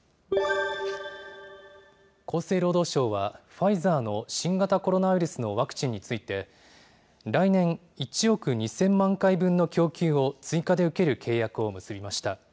厚生労働省は、ファイザーの新型コロナウイルスのワクチンについて、来年、１億２０００万回分の供給を追加で受ける契約を結びました。